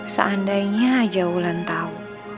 seandainya aja ulan tahu